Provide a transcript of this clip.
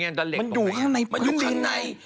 มันอยู่ข้างใน